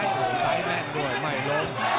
โอ้โหซ้ายแม่นด้วยไม่ล้ม